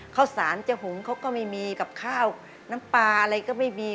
ข้าวสารเจ้าหุงเขาก็ไม่มีกับข้าวน้ำปลาอะไรก็ไม่มี